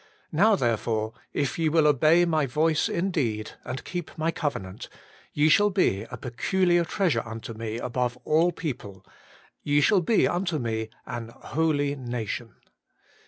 Now therefore, if ye will obey my voice indeed, and keep my covenant, ye shall be a peculiar treasure unto me above all people : ye shall be unto me an holy nation.'